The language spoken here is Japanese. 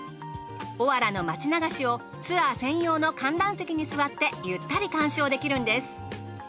おわらの町流しをツアー専用の観覧席に座ってゆったり鑑賞できるんです。